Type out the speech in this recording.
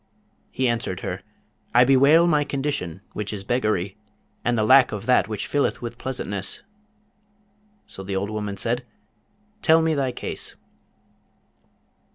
He answered her, 'I bewail my condition, which is beggary, and the lack of that which filleth with pleasantness.' So the old woman said, 'Tell me thy case.'